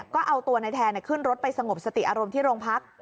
ก็เอาตัวนายแทนขึ้นรถไปสงบสติอารมณ์ที่โรงพัก